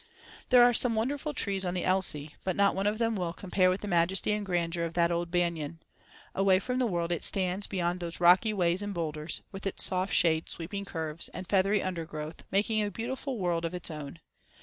There are some wonderful trees on the Elsey, but not one of them will compare with the majesty and grandeur of that old banyan. Away from the world it stands beyond those rocky ways and boulders, with its soft shade sweeping curves, and feathery undergrowth, making a beautiful world of its own.